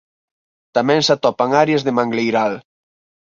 Tamén se atopan áreas de mangleiral.